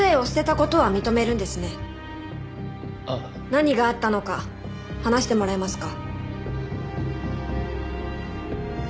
何があったのか話してもらえますか？